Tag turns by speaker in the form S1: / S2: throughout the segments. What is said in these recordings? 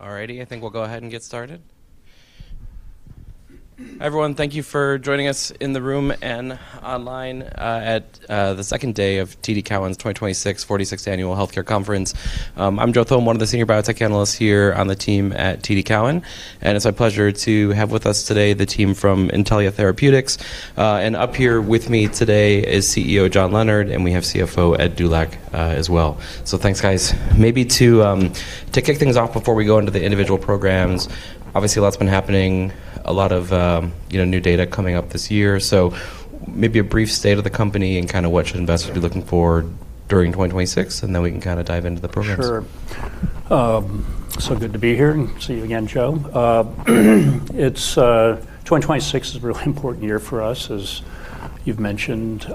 S1: All righty. I think we'll go ahead and get started. Everyone, thank you for joining us in the room and online, at the second day of TD Cowen's 2026 46th Annual Healthcare Conference. I'm Joe Thome, one of the senior biotech analysts here on the team at TD Cowen, and it's our pleasure to have with us today the team from Intellia Therapeutics. Up here with me today is CEO John Leonard. We have CFO Ed Dulac as well. Thanks, guys. Maybe to kick things off before we go into the individual programs, obviously, a lot's been happening, a lot of, you know, new data coming up this year. Maybe a brief state of the company and kinda what should investors be looking for during 2026, then we can kinda dive into the programs.
S2: Sure. Good to be here and see you again, Joe. It's 2026 is a really important year for us, as you've mentioned.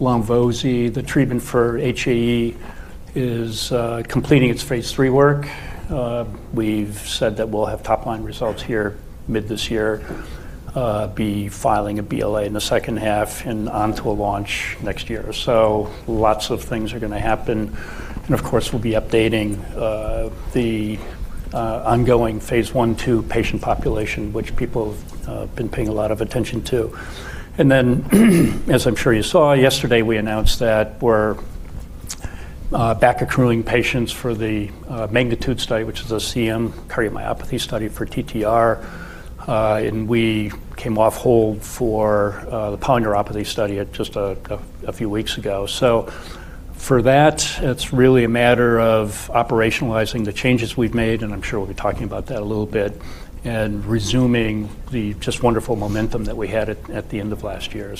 S2: lonvo-z, the treatment for HAE, is completing its phase III work. We've said that we'll have top-line results here mid this year, be filing a BLA in the second half and onto a launch next year. Lots of things are gonna happen. Of course, we'll be updating the ongoing phase I, phase II patient population, which people have been paying a lot of attention to. As I'm sure you saw, yesterday we announced that we're back accruing patients for the MAGNITUDE study, which is a CM cardiomyopathy study for TTR. We came off hold for the polyneuropathy study at just a few weeks ago. For that, it's really a matter of operationalizing the changes we've made, and I'm sure we'll be talking about that a little bit, and resuming the just wonderful momentum that we had at the end of last year.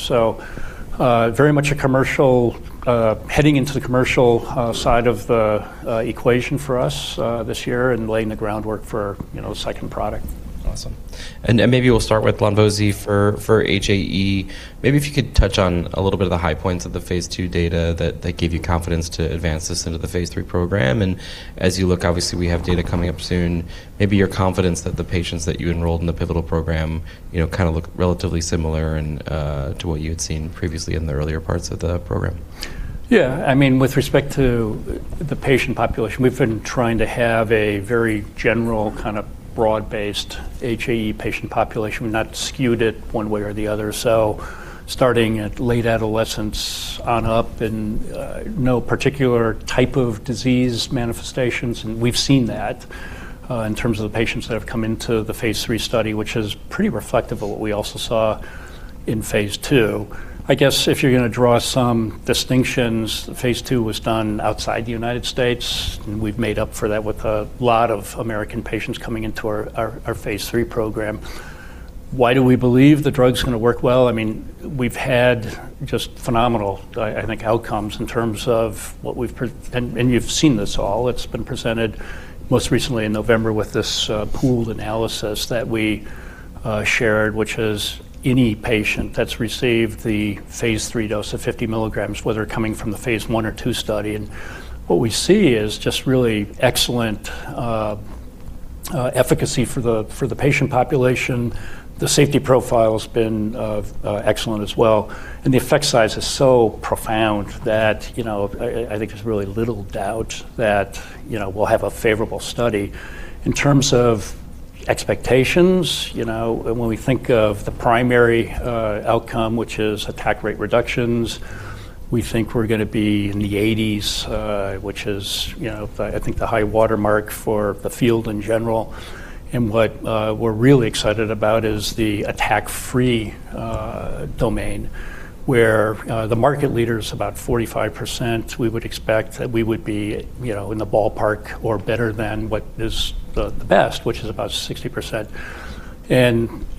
S2: Very much heading into the commercial side of the equation for us this year and laying the groundwork for, you know, the second product.
S1: Awesome. Maybe we'll start with lonvo-z for HAE. Maybe if you could touch on a little bit of the high points of the Phase II data that gave you confidence to advance this into the Phase III program. As you look, obviously, we have data coming up soon. Maybe your confidence that the patients that you enrolled in the pivotal program, you know, kinda look relatively similar to what you had seen previously in the earlier parts of the program.
S2: I mean, with respect to the patient population, we've been trying to have a very general, kind of broad-based HAE patient population. We've not skewed it one way or the other. Starting at late adolescence on up and no particular type of disease manifestations, and we've seen that in terms of the patients that have come into the Phase III study, which is pretty reflective of what we also saw in Phase II. I guess if you're gonna draw some distinctions, Phase II was done outside the United States, and we've made up for that with a lot of American patients coming into our Phase III program. Why do we believe the drug's gonna work well? I mean, we've had just phenomenal, I think, outcomes in terms of what we've. You've seen this all. It's been presented most recently in November with this pooled analysis that we shared, which is any patient that's received the Phase III dose of 50 milligrams, whether coming from the Phase I or phase II study. What we see is just really excellent efficacy for the patient population. The safety profile's been excellent as well. The effect size is so profound that, you know, I, I think there's really little doubt that, you know, we'll have a favorable study. In terms of expectations, you know, when we think of the primary outcome, which is attack rate reductions, we think we're gonna be in the 80s, which is, you know, I think the high watermark for the field in general. What we're really excited about is the attack-free domain, where the market leader is about 45%. We would expect that we would be, you know, in the ballpark or better than what is the best, which is about 60%.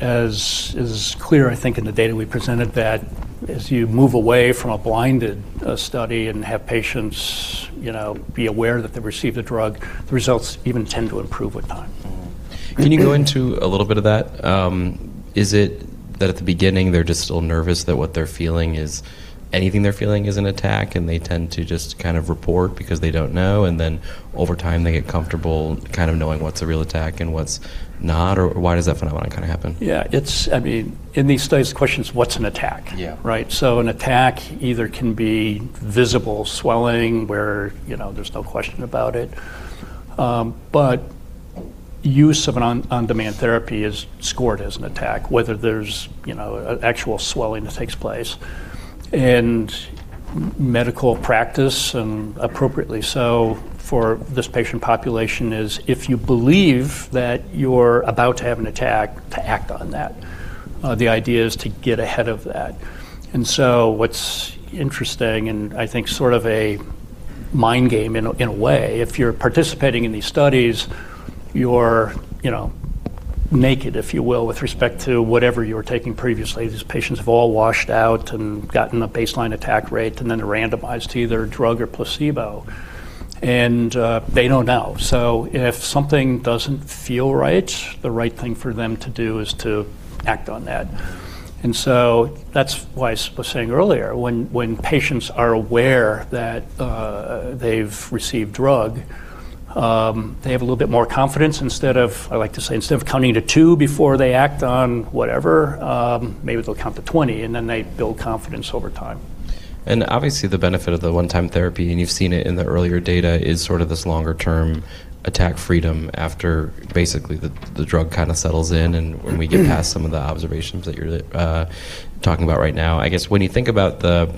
S2: As is clear, I think, in the data we presented that as you move away from a blinded study and have patients, you know, be aware that they received a drug, the results even tend to improve with time.
S1: Can you go into a little bit of that? Is it that at the beginning, they're just still nervous that what they're feeling is anything they're feeling is an attack, and they tend to just kind of report because they don't know, and then over time, they get comfortable kind of knowing what's a real attack and what's not? Why does that phenomenon kinda happen?
S2: Yeah. I mean, in these studies, the question is what's an attack?
S1: Yeah.
S2: Right? An attack either can be visible swelling where, you know, there's no question about it. Use of an on-demand therapy is scored as an attack, whether there's, you know, a actual swelling that takes place. Medical practice, and appropriately so, for this patient population is if you believe that you're about to have an attack, to act on that. The idea is to get ahead of that. What's interesting and I think sort of a mind game in a, in a way, if you're participating in these studies, you're, you know, naked, if you will, with respect to whatever you were taking previously. These patients have all washed out and gotten a baseline attack rate and then are randomized to either drug or placebo, and they don't know. If something doesn't feel right, the right thing for them to do is to act on that. That's why I was saying earlier, when patients are aware that they've received drug, they have a little bit more confidence instead of. I like to say, instead of counting to two before they act on whatever, maybe they'll count to 20, and then they build confidence over time.
S1: Obviously, the benefit of the one-time therapy, and you've seen it in the earlier data, is sort of this longer-term attack freedom after basically the drug kinda settles in and when we get past some of the observations that you're talking about right now. When you think about the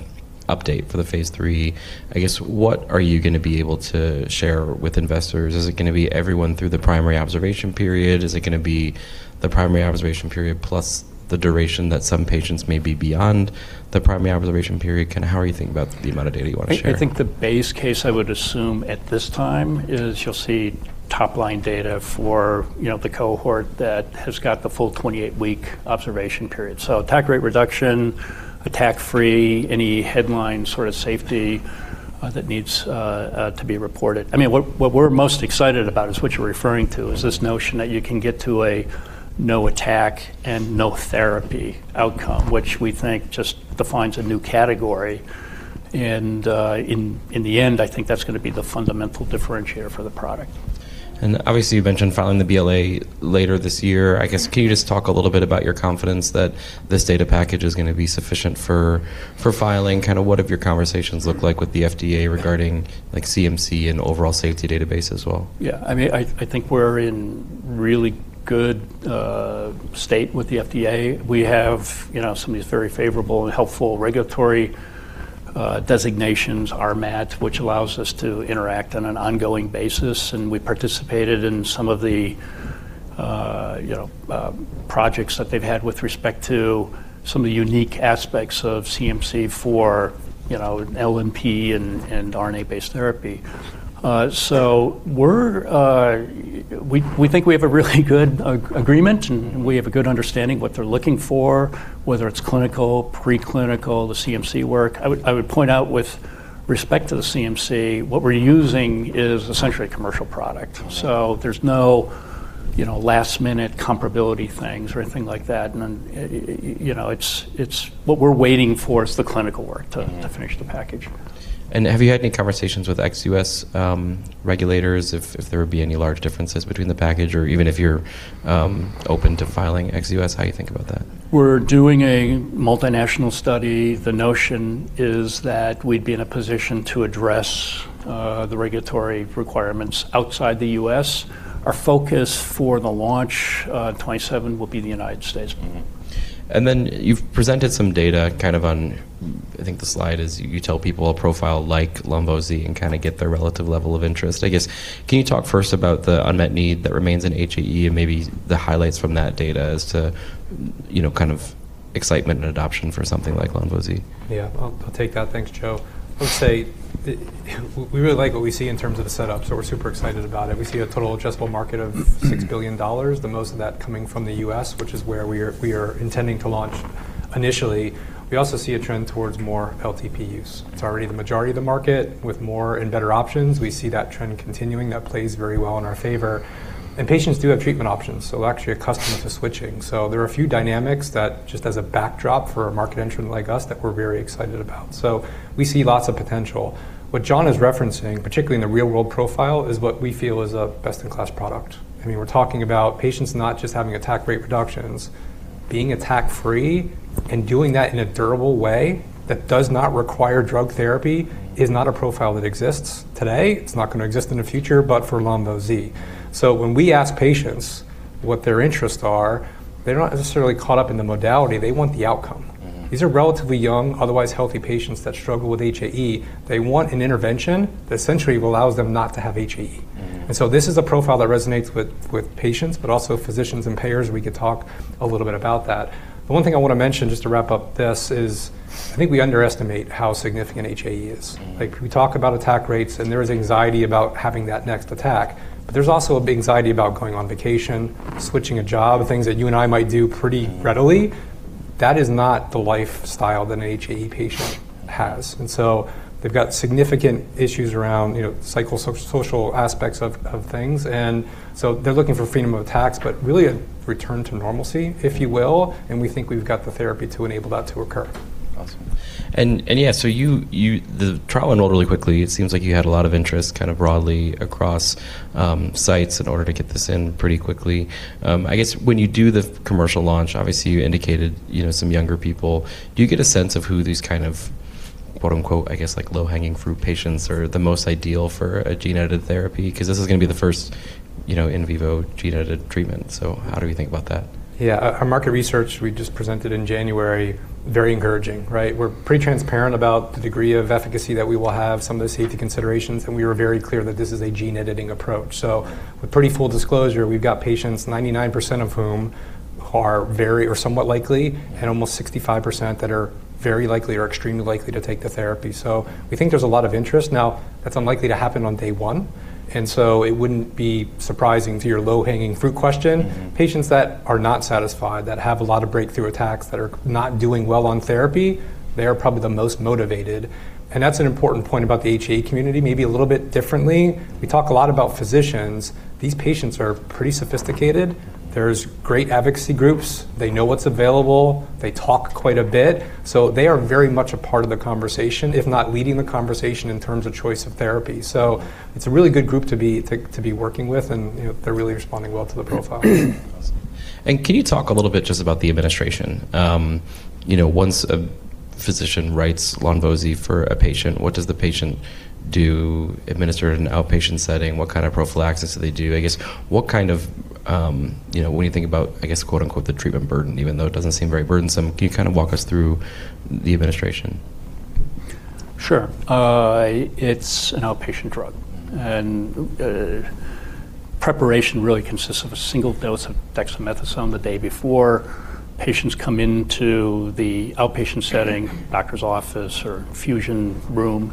S1: update for the phase III, I guess what are you gonna be able to share with investors? Is it gonna be everyone through the primary observation period? Is it gonna be the primary observation period plus the duration that some patients may be beyond the primary observation period? Kinda how are you thinking about the amount of data you wanna share?
S2: I think the base case I would assume at this time is you'll see top-line data for, you know, the cohort that has got the full 28-week observation period. Attack rate reduction, attack free, any headline sorta safety that needs to be reported. I mean, what we're most excited about is what you're referring to, is this notion that you can get to a no attack and no therapy outcome, which we think just defines a new category. In the end, I think that's gonna be the fundamental differentiator for the product.
S1: Obviously, you mentioned filing the BLA later this year. I guess can you just talk a little bit about your confidence that this data package is gonna be sufficient for filing? Kinda what have your conversations looked like with the FDA regarding, like, CMC and overall safety database as well?
S2: Yeah. I mean, I think we're in really good state with the FDA. We have, you know, some of these very favorable and helpful regulatory designations, RMAT, which allows us to interact on an ongoing basis, and we participated in some of the, you know, projects that they've had with respect to some of the unique aspects of CMC for, you know, LNP and RNA-based therapy. We think we have a really good agreement, and we have a good understanding what they're looking for, whether it's clinical, preclinical, the CMC work. I would point out with respect to the CMC, what we're using is essentially a commercial product.
S1: Mm-hmm.
S2: There's no, you know, last-minute comparability things or anything like that. You know, it's what we're waiting for is the clinical work.
S1: Yeah
S2: to finish the package.
S1: Have you had any conversations with ex-U.S. regulators if there would be any large differences between the package or even if you're open to filing ex-U.S.? How you think about that?
S2: We're doing a multinational study. The notion is that we'd be in a position to address, the regulatory requirements outside the U.S. Our focus for the launch, 2027 will be the United States.
S1: You've presented some data kind of on, I think the slide is you tell people a profile like lonvo-z and kinda get their relative level of interest. I guess, can you talk first about the unmet need that remains in HAE and maybe the highlights from that data as to, you know, kind of excitement and adoption for something like lonvo-z?
S3: Yeah. I'll take that. Thanks, Joe. I'll say that we really like what we see in terms of the setup, so we're super excited about it. We see a total addressable market of $6 billion, most of that coming from the U.S., which is where we are intending to launch initially. We also see a trend towards more LTP use. It's already the majority of the market with more and better options. We see that trend continuing. That plays very well in our favor. Patients do have treatment options, so actually are accustomed to switching. There are a few dynamics that just as a backdrop for a market entrant like us that we're very excited about. We see lots of potential. What John is referencing, particularly in the real-world profile, is what we feel is a best-in-class product. I mean, we're talking about patients not just having attack rate reductions. Being attack-free and doing that in a durable way that does not require drug therapy is not a profile that exists today. It's not gonna exist in the future, but for lonvo-z. When we ask patients what their interests are, they're not necessarily caught up in the modality. They want the outcome.
S1: Mm-hmm.
S3: These are relatively young, otherwise healthy patients that struggle with HAE. They want an intervention that essentially allows them not to have HAE.
S1: Mm-hmm.
S3: This is a profile that resonates with patients, but also physicians and payers. We could talk a little bit about that. The one thing I wanna mention just to wrap up this is I think we underestimate how significant HAE is.
S1: Mm-hmm.
S3: We talk about attack rates, and there is anxiety about having that next attack, but there's also anxiety about going on vacation, switching a job, things that you and I might do pretty readily. That is not the lifestyle that an HAE patient has. So they've got significant issues around, you know, psychosocial aspects of things. So they're looking for freedom of attacks, but really a return to normalcy, if you will, and we think we've got the therapy to enable that to occur.
S1: Awesome. Yeah, so the trial enrolled really quickly. It seems like you had a lot of interest kind of broadly across sites in order to get this in pretty quickly. I guess when you do the commercial launch, obviously you indicated, you know, some younger people. Do you get a sense of who these kind of quote-unquote, I guess, like, low-hanging fruit patients are the most ideal for a gene-edited therapy? 'Cause this is gonna be the first, you know, in vivo gene-edited treatment. How do we think about that?
S3: Our market research we just presented in January, very encouraging, right? We're pretty transparent about the degree of efficacy that we will have, some of the safety considerations, and we are very clear that this is a gene editing approach. With pretty full disclosure, we've got patients 99% of whom are very or somewhat likely, and almost 65% that are very likely or extremely likely to take the therapy. We think there's a lot of interest. Now, that's unlikely to happen on day one, and so it wouldn't be surprising to your low-hanging fruit question.
S1: Mm-hmm.
S3: Patients that are not satisfied, that have a lot of breakthrough attacks, that are not doing well on therapy, they are probably the most motivated. That's an important point about the HAE community, maybe a little bit differently. We talk a lot about physicians. These patients are pretty sophisticated. There's great advocacy groups. They know what's available. They talk quite a bit. They are very much a part of the conversation, if not leading the conversation in terms of choice of therapy. It's a really good group to be working with, you know, they're really responding well to the profile.
S1: Can you talk a little bit just about the administration? You know, once a physician writes lonvo-z for a patient, what does the patient do? Administer it in an outpatient setting? What kind of prophylaxis do they do? I guess, what kind of, you know, when you think about, I guess, quote-unquote, the treatment burden, even though it doesn't seem very burdensome, can you kind of walk us through the administration?
S3: Sure. It's an outpatient drug, and preparation really consists of a single dose of dexamethasone the day before. Patients come into the outpatient setting, doctor's office or infusion room.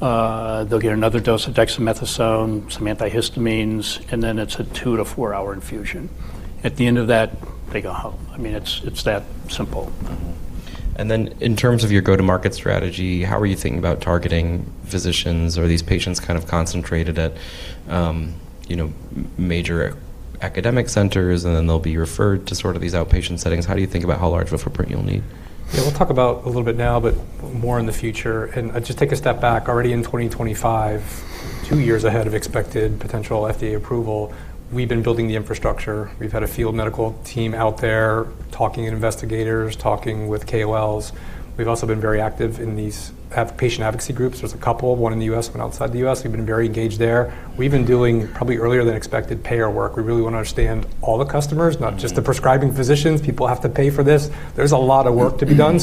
S3: They'll get another dose of dexamethasone, some antihistamines, and then it's a two hour-to-four-hour infusion. At the end of that, they go home. I mean, it's that simple.
S1: Mm-hmm. Then in terms of your go-to-market strategy, how are you thinking about targeting physicians or these patients kind of concentrated at, you know, major academic centers, and then they'll be referred to sort of these outpatient settings? How do you think about how large of a footprint you'll need?
S3: Yeah, we'll talk about a little bit now, more in the future. Just take a step back, already in 2025, two years ahead of expected potential FDA approval, we've been building the infrastructure. We've had a field medical team out there talking to investigators, talking with KOLs. We've also been very active in these patient advocacy groups. There's a couple, one in the U.S., one outside the U.S. We've been very engaged there. We've been doing probably earlier than expected payer work. We really wanna understand all the customers-
S1: Mm-hmm.
S3: -not just the prescribing physicians. People have to pay for this. There's a lot of work to be done.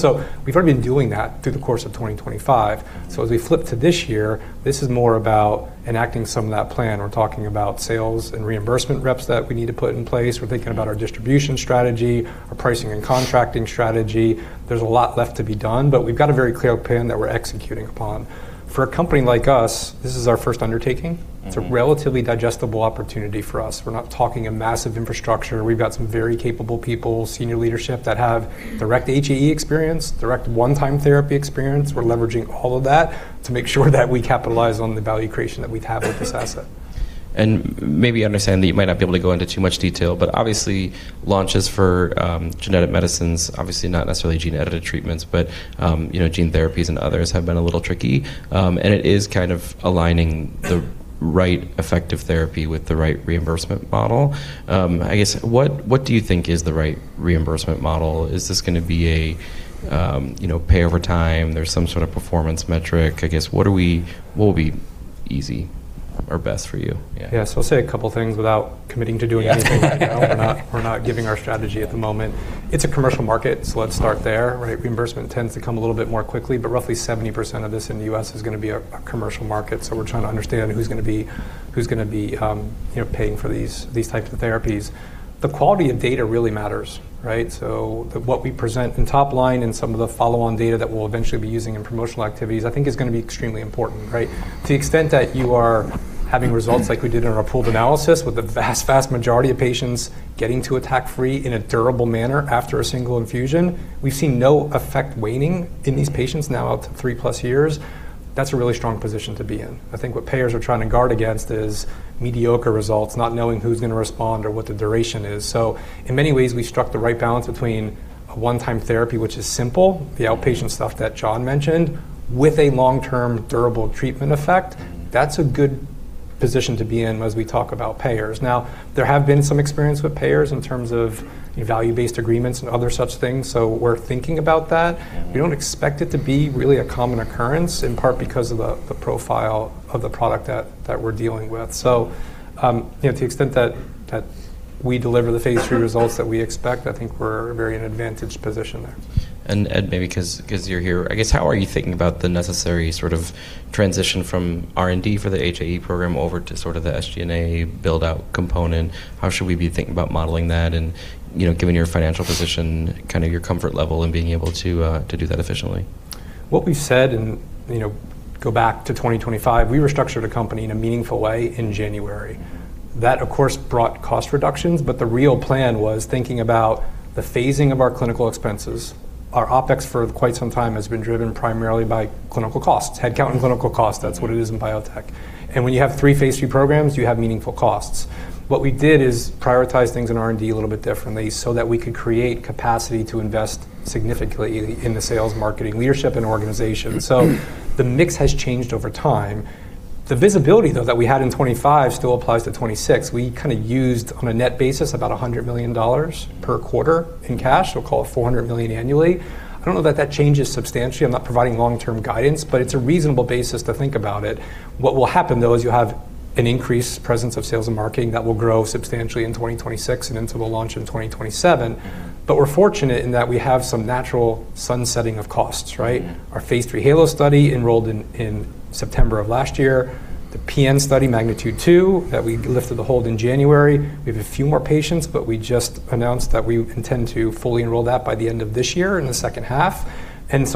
S3: We've already been doing that through the course of 2025. As we flip to this year, this is more about enacting some of that plan. We're talking about sales and reimbursement reps that we need to put in place. We're thinking about our distribution strategy, our pricing and contracting strategy. There's a lot left to be done, but we've got a very clear plan that we're executing upon. For a company like us, this is our first undertaking.
S1: Mm-hmm.
S3: It's a relatively digestible opportunity for us. We're not talking a massive infrastructure. We've got some very capable people, senior leadership that have direct HAE experience, direct one-time therapy experience. We're leveraging all of that to make sure that we capitalize on the value creation that we have with this asset.
S1: Maybe I understand that you might not be able to go into too much detail, but obviously launches for genetic medicines, obviously not necessarily gene-edited treatments, but, you know, gene therapies and others have been a little tricky. It is kind of aligning the right effective therapy with the right reimbursement model. I guess, what do you think is the right reimbursement model? Is this gonna be a, you know, pay over time? There's some sort of performance metric? I guess, what will be easy or best for you? Yeah.
S3: Yeah. I'll say a couple of things without committing to doing anything right now.
S1: Yeah.
S3: We're not giving our strategy at the moment. It's a commercial market. Let's start there, right? Reimbursement tends to come a little bit more quickly, roughly 70% of this in the U.S. is gonna be a commercial market. We're trying to understand who's gonna be, you know, paying for these types of therapies. The quality of data really matters, right? What we present in top line and some of the follow-on data that we'll eventually be using in promotional activities, I think is gonna be extremely important, right? To the extent that you are having results like we did in our pooled analysis with the vast majority of patients getting to attack free in a durable manner after a single infusion. We've seen no effect waning in these patients now out to 3+ years. That's a really strong position to be in. I think what payers are trying to guard against is mediocre results, not knowing who's gonna respond or what the duration is. In many ways, we struck the right balance between a one-time therapy, which is simple-
S1: Mm-hmm.
S3: the outpatient stuff that John mentioned, with a long-term durable treatment effect.
S1: Mm-hmm.
S3: That's a good position to be in as we talk about payers. There have been some experience with payers in terms of value-based agreements and other such things, so we're thinking about that.
S1: Mm-hmm.
S3: We don't expect it to be really a common occurrence, in part because of the profile of the product that we're dealing with.
S1: Mm-hmm.
S3: You know, to the extent that we deliver the Phase III results that we expect, I think we're very in an advantaged position there.
S1: Ed, maybe 'cause you're here, I guess, how are you thinking about the necessary sort of transition from R&D for the HAE program over to sort of the SG&A build-out component? How should we be thinking about modeling that and, you know, given your financial position, kinda your comfort level in being able to do that efficiently?
S3: What we've said and, you know, go back to 2025, we restructured a company in a meaningful way in January.
S1: Mm-hmm.
S3: That, of course, brought cost reductions. The real plan was thinking about the phasing of our clinical expenses. Our OpEx for quite some time has been driven primarily by clinical costs, headcount and clinical costs. That's what it is in biotech. When you have three phase III programs, you have meaningful costs. What we did is prioritize things in R&D a little bit differently so that we could create capacity to invest significantly in the sales, marketing, leadership, and organization. The mix has changed over time. The visibility, though, that we had in 2025 still applies to 2026. We kinda used, on a net basis, about $100 million per quarter in cash. We'll call it $400 million annually. I don't know that that changes substantially. I'm not providing long-term guidance. It's a reasonable basis to think about it. What will happen, though, is you have an increased presence of sales and marketing that will grow substantially in 2026 and into the launch in 2027.
S1: Mm-hmm.
S3: We're fortunate in that we have some natural sun-setting of costs, right?
S1: Mm-hmm.
S3: Our Phase III HAELO study enrolled in September of last year. The PN study, MAGNITUDE-2, that we lifted the hold in January. We have a few more patients. We just announced that we intend to fully enroll that by the end of this year in the H2.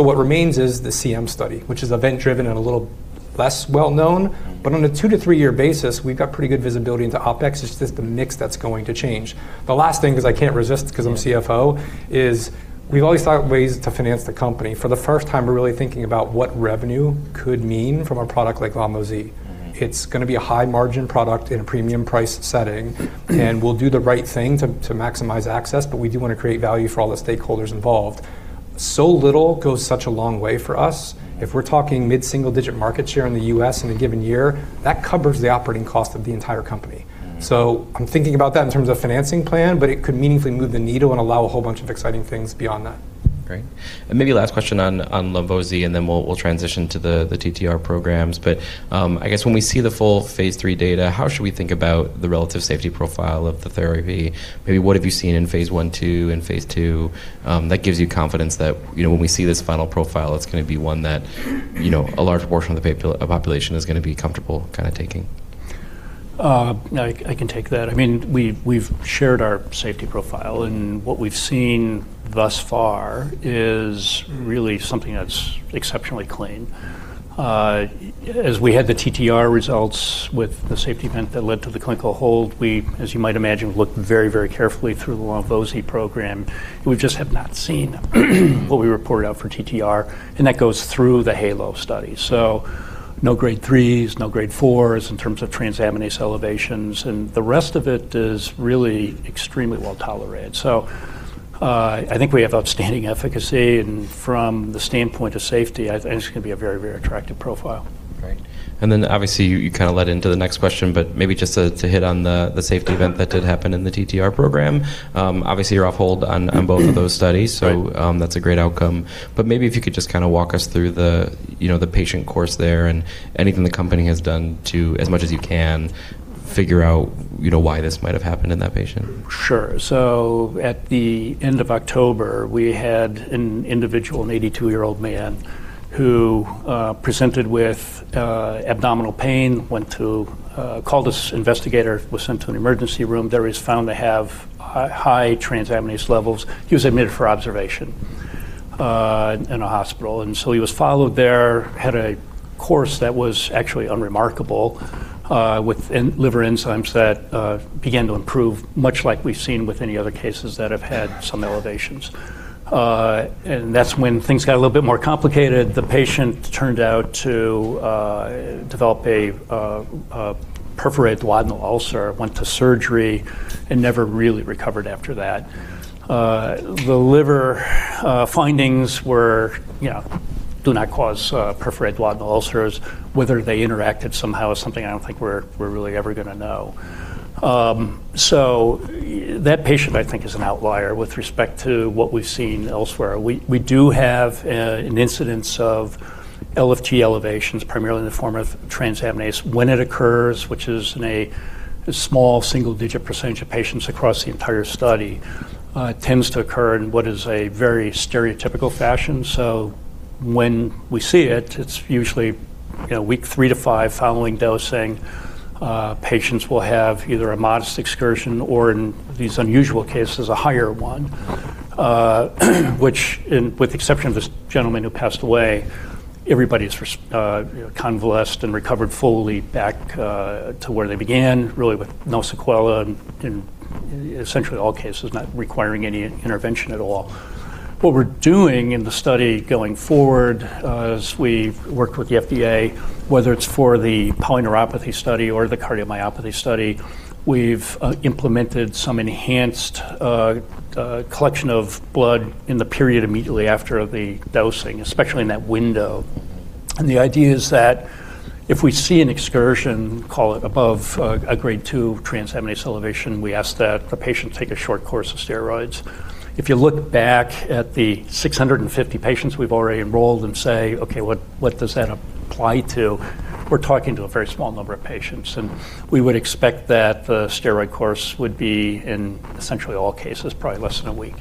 S3: What remains is the CM study, which is event-driven and a little less well-known.
S1: Mm-hmm.
S3: On a two-year tothree-year basis, we've got pretty good visibility into OpEx. It's just the mix that's going to change. The last thing, 'cause I can't resist, 'cause I'm CFO, is we've always thought ways to finance the company. For the first time, we're really thinking about what revenue could mean from a product like lonvo-z.
S1: Mm-hmm.
S3: It's gonna be a high-margin product in a premium price setting. We'll do the right thing to maximize access. We do wanna create value for all the stakeholders involved.
S2: Little goes such a long way for us. If we're talking mid-single-digit market share in the U.S. in a given year, that covers the operating cost of the entire company.
S1: Mm.
S2: I'm thinking about that in terms of financing plan, but it could meaningfully move the needle and allow a whole bunch of exciting things beyond that.
S1: Great. Maybe last question on lonvo-z, then we'll transition to the TTR programs. I guess when we see the full phase III data, how should we think about the relative safety profile of the therapy? Maybe what have you seen in phase I/II and phase II, that gives you confidence that, you know, when we see this final profile, it's gonna be one that, you know, a large portion of the population is gonna be comfortable kinda taking?
S2: I can take that. I mean, we've shared our safety profile, what we've seen thus far is really something that's exceptionally clean. As we had the TTR results with the safety event that led to the clinical hold, we, as you might imagine, looked very, very carefully through the lonvo-z program. We just have not seen what we reported out for TTR, that goes through the HAELO study. No Grade 3s, no Grade 4s in terms of transaminase elevations, the rest of it is really extremely well-tolerated. I think we have outstanding efficacy, from the standpoint of safety, I think it's gonna be a very, very attractive profile.
S1: Great. Obviously you kinda led into the next question, but maybe just to hit on the safety event that did happen in the TTR program. Obviously you're off hold on both of those studies.
S2: Right.
S1: That's a great outcome. Maybe if you could just kinda walk us through the, you know, the patient course there and anything the company has done to, as much as you can, figure out, you know, why this might have happened in that patient.
S2: Sure. At the end of October, we had an individual, an 82-year-old man, who presented with abdominal pain, called his investigator, was sent to an emergency room. There, he was found to have high transaminase levels. He was admitted for observation in a hospital, and so he was followed there, had a course that was actually unremarkable, with liver enzymes that began to improve, much like we've seen with any other cases that have had some elevations. That's when things got a little bit more complicated. The patient turned out to develop a perforated duodenal ulcer, went to surgery, and never really recovered after that. The liver findings were, you know, do not cause perforated duodenal ulcers. Whether they interacted somehow is something I don't think we're really ever gonna know. That patient, I think, is an outlier with respect to what we've seen elsewhere. We do have an incidence of LFT elevations, primarily in the form of transaminase. When it occurs, which is in a small single-digit percentage of patients across the entire study, it tends to occur in what is a very stereotypical fashion. When we see it's usually, you know, week three to week five following dosing. Patients will have either a modest excursion or, in these unusual cases, a higher one, which with the exception of this gentleman who passed away, everybody's, you know, convalesced and recovered fully back to where they began, really with no sequela in essentially all cases not requiring any intervention at all. What we're doing in the study going forward, as we've worked with the FDA, whether it's for the polyneuropathy study or the cardiomyopathy study, we've implemented some enhanced collection of blood in the period immediately after the dosing, especially in that window. The idea is that if we see an excursion, call it above a Grade 2 transaminase elevation, we ask that the patient take a short course of steroids. If you look back at the 650 patients we've already enrolled and say, "Okay, what does that apply to?" We're talking to a very small number of patients, and we would expect that the steroid course would be, in essentially all cases, probably less than a week.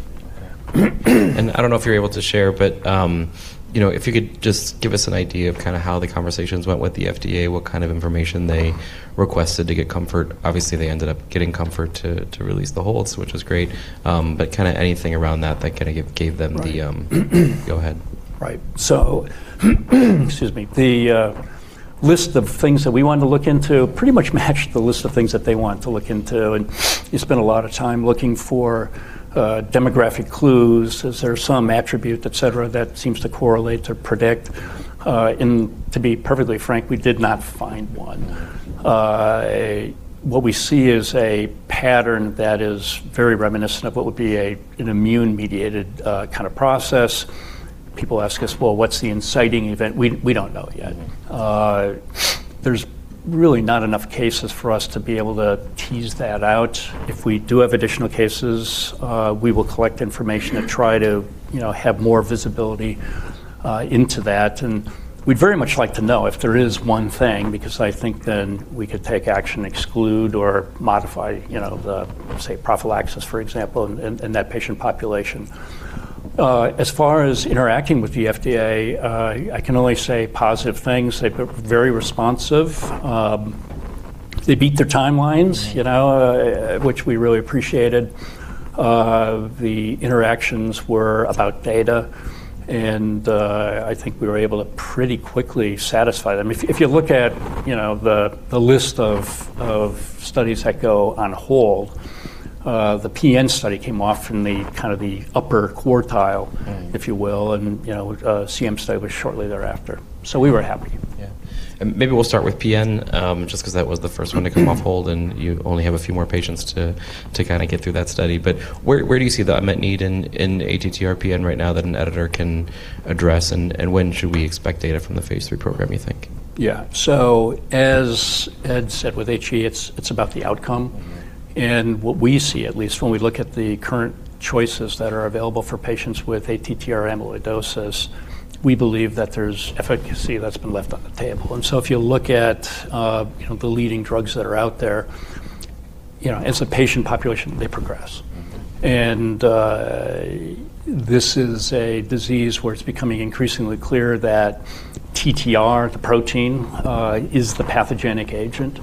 S1: I don't know if you're able to share, but, you know, if you could just give us an idea of kinda how the conversations went with the FDA, what kind of information.
S2: Mm-hmm...
S1: requested to get comfort. Obviously, they ended up getting comfort to release the holds, which was great. Kinda anything around that that gave them-
S2: Right...
S1: the, go ahead.
S2: Excuse me. The list of things that we wanted to look into pretty much matched the list of things that they wanted to look into. You spend a lot of time looking for demographic clues. Is there some attribute, et cetera, that seems to correlate, to predict? To be perfectly frank, we did not find one. What we see is a pattern that is very reminiscent of what would be an immune-mediated kind of process. People ask us, "Well, what's the inciting event?" We don't know yet.
S1: Mm-hmm.
S2: There's really not enough cases for us to be able to tease that out. If we do have additional cases, we will collect information and try to, you know, have more visibility into that. We'd very much like to know if there is one thing, because I think then we could take action, exclude or modify, you know, the, say, prophylaxis, for example, in that patient population. As far as interacting with the FDA, I can only say positive things. They've been very responsive. They beat their timelines.
S1: Mm-hmm...
S2: you know, which we really appreciated. The interactions were about data, and I think we were able to pretty quickly satisfy them. If you look at, you know, the list of studies that go on hold, the PN study came off from the, kind of the upper quartile...
S1: Mm-hmm...
S2: If you will, you know, CM study was shortly thereafter. We were happy.
S1: Yeah. Maybe we'll start with PN, because that was the first one to come off hold, and you only have a few more patients to kind of get through that study. Where do you see the unmet need in ATTR PN right now that an editor can address, and when should we expect data from the phase III program, you think?
S2: Yeah. As Ed said with HAE, it's about the outcome.
S1: Mm-hmm.
S2: What we see at least when we look at the current choices that are available for patients with ATTR amyloidosis, we believe that there's efficacy that's been left on the table. If you look at, you know, the leading drugs that are out there, you know, as a patient population, they progress.
S1: Mm-hmm.
S2: This is a disease where it's becoming increasingly clear that TTR, the protein, is the pathogenic agent.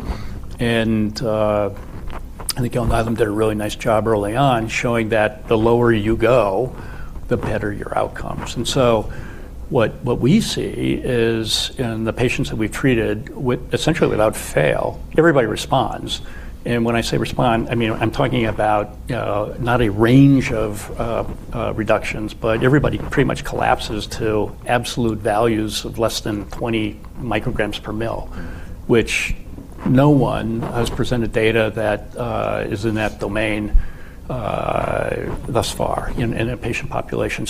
S2: I think Alnylam did a really nice job early on showing that the lower you go, the better your outcomes. What we see is in the patients that we've treated with essentially without fail, everybody responds. When I say respond, I mean, I'm talking about not a range of reductions, but everybody pretty much collapses to absolute values of less than 20 micrograms per mil, which no one has presented data that is in that domain thus far in a patient population.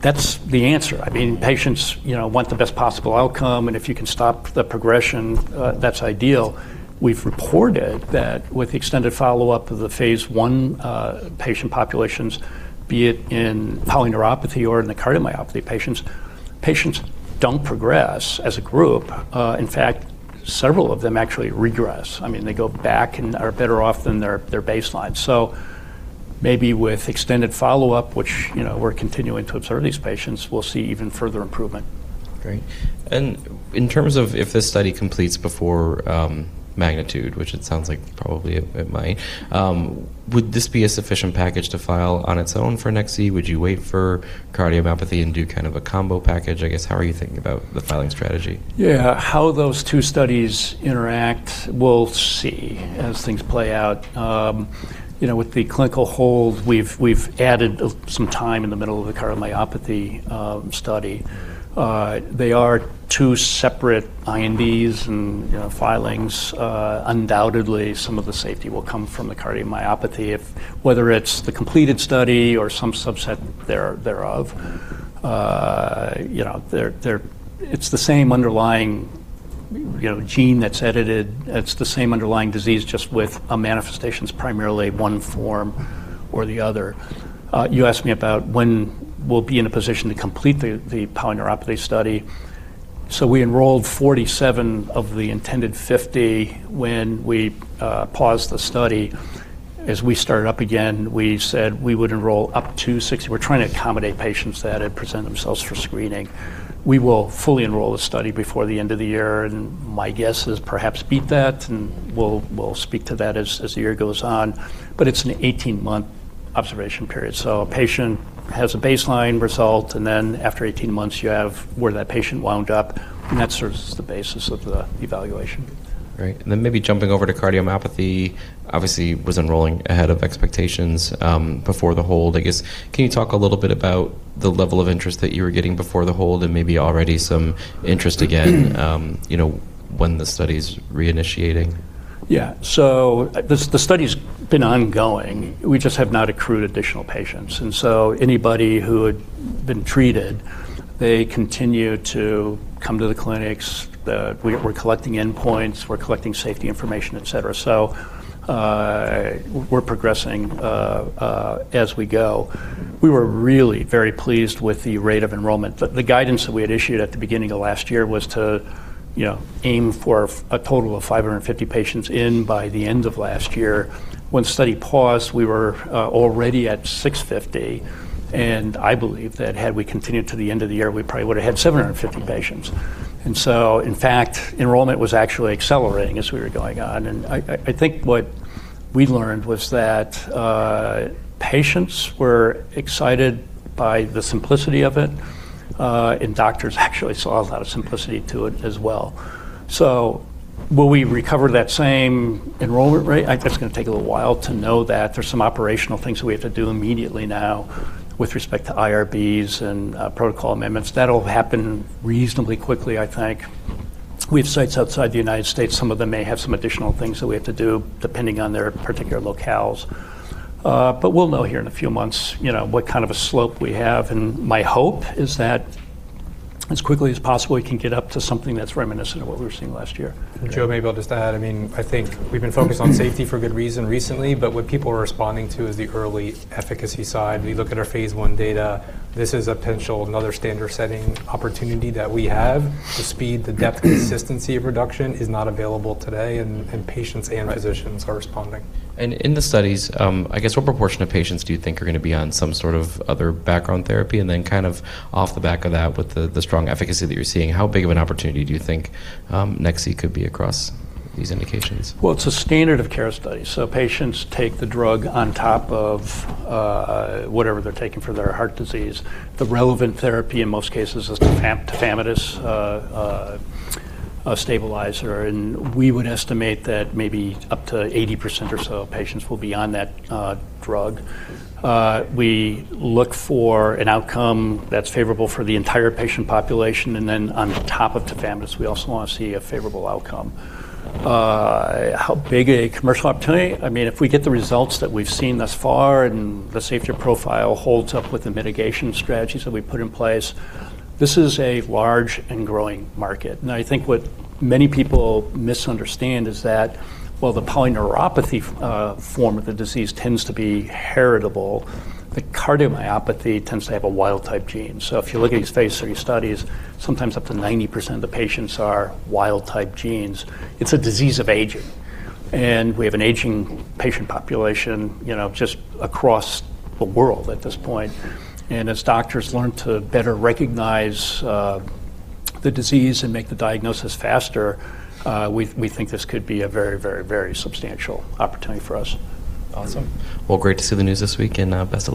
S2: That's the answer. I mean patients, you know, want the best possible outcome, and if you can stop the progression, that's ideal. We've reported that with the extended follow-up of the Phase 1 patient populations, be it in polyneuropathy or in the cardiomyopathy patients don't progress as a group. In fact, several of them actually regress. I mean, they go back and are better off than their baseline. Maybe with extended follow-up, which, you know, we're continuing to observe these patients, we'll see even further improvement.
S1: Great. In terms of if this study completes before, MAGNITUDE, which it sounds like probably it might, would this be a sufficient package to file on its own for nex-z? Would you wait for cardiomyopathy and do kind of a combo package? I guess, how are you thinking about the filing strategy?
S2: How those two studies interact, we'll see as things play out. You know, with the clinical hold, we've added some time in the middle of the cardiomyopathy study. They are two separate INDs and, you know, filings. Undoubtedly some of the safety will come from the cardiomyopathy if whether it's the completed study or some subset thereof. You know, they're the same underlying, you know, gene that's edited. It's the same underlying disease just with a manifestation's primarily one form or the other. You asked me about when we'll be in a position to complete the polyneuropathy study. We enrolled 47 of the intended 50 when we paused the study. As we started up again, we said we would enroll up to 60. We're trying to accommodate patients that had presented themselves for screening. We will fully enroll the study before the end of the year, and my guess is perhaps beat that, and we'll speak to that as the year goes on, but it's an 18-month observation period. A patient has a baseline result, and then after 18 months, you have where that patient wound up, and that serves as the basis of the evaluation.
S1: Great. Then maybe jumping over to cardiomyopathy, obviously was enrolling ahead of expectations, before the hold. I guess, can you talk a little bit about the level of interest that you were getting before the hold and maybe already some interest again, you know, when the study's reinitiating?
S2: Yeah. The study's been ongoing. We just have not accrued additional patients. Anybody who had been treated, they continue to come to the clinics. We're collecting endpoints, we're collecting safety information, et cetera. We're progressing as we go. We were really very pleased with the rate of enrollment. The guidance that we had issued at the beginning of last year was to, you know, aim for a total of 550 patients in by the end of last year. When the study paused, we were already at 650, and I believe that had we continued to the end of the year, we probably would've had 750 patients. In fact, enrollment was actually accelerating as we were going on. I think what we learned was that patients were excited by the simplicity of it, and doctors actually saw a lot of simplicity to it as well. Will we recover that same enrollment rate? I think it's gonna take a little while to know that. There's some operational things that we have to do immediately now with respect to IRBs and protocol amendments. That'll happen reasonably quickly, I think. We have sites outside the United States. Some of them may have some additional things that we have to do depending on their particular locales. We'll know here in a few months, you know, what kind of a slope we have, and my hope is that as quickly as possible, we can get up to something that's reminiscent of what we were seeing last year.
S1: Great.
S3: Joe, maybe I'll just add, I mean, I think we've been focused on safety for good reason recently. What people are responding to is the early efficacy side. We look at our Phase 1 data. This is a potential, another standard-setting opportunity that we have. The speed, the depth, the consistency of reduction is not available today, and patients and physicians are responding.
S1: In the studies, I guess what proportion of patients do you think are gonna be on some sort of other background therapy? Kind of off the back of that, with the strong efficacy that you're seeing, how big of an opportunity do you think nex-z could be across these indications?
S2: Well, it's a standard of care study, so patients take the drug on top of whatever they're taking for their heart disease. The relevant therapy in most cases is Tafamidis, a stabilizer, and we would estimate that maybe up to 80% or so of patients will be on that drug. We look for an outcome that's favorable for the entire patient population, and then on top of Tafamidis, we also wanna see a favorable outcome. How big a commercial opportunity? I mean, if we get the results that we've seen thus far and the safety profile holds up with the mitigation strategies that we put in place, this is a large and growing market. I think what many people misunderstand is that while the polyneuropathy form of the disease tends to be heritable, the cardiomyopathy tends to have a wild-type gene. If you look at these Phase III studies, sometimes up to 90% of the patients are wild-type genes. It's a disease of aging, we have an aging patient population, you know, just across the world at this point. As doctors learn to better recognize the disease and make the diagnosis faster, we think this could be a very, very, very substantial opportunity for us.
S1: Awesome. Well, great to see the news this week and, best of luck.